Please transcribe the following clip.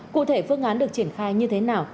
cụ thể phương án được triển khai như thế nào